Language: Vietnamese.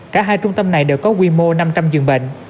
cả hai trung tâm này đều có quy mô năm trăm linh giường bệnh